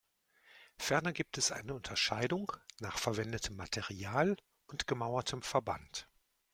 Ferner gibt es eine Unterscheidung nach verwendetem Material und gemauertem Verband.